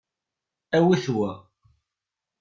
Awit wa.